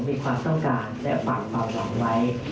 มีความต้องการและฝากความหวังไว้